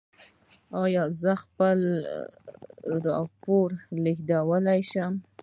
ایا زه خپل راپور درلیږلی شم؟